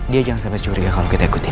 dia jangan sampai curiga kalau kita ikuti